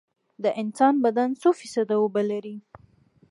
د انسان بدن څو فیصده اوبه دي؟